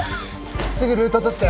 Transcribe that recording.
すぐルートとって。